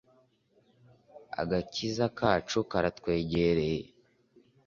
Agakiza kacu karatwegereye